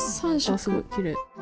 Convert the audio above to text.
あっすごいきれい。